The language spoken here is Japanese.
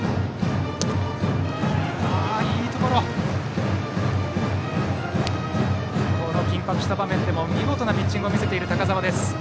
この緊迫した場面でも見事なピッチングを見せる高澤。